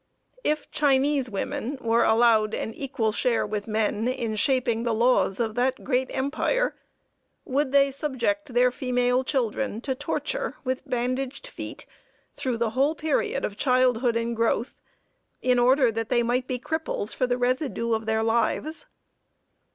If Chinese women were allowed an equal share with men in shaping the laws of that great empire, would they subject their female children to torture with bandaged feet, through the whole period of childhood and growth, in order that they might be cripples for the residue of their lives?